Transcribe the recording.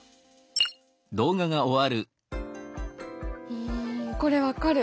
うんこれ分かる。